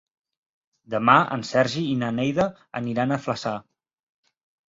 Demà en Sergi i na Neida aniran a Flaçà.